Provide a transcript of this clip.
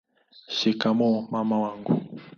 shikamoo mama wangu